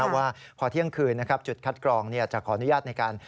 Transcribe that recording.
ว่าพอเที่ยงคืนจุดคัดกรองจะขออนุญาตในการ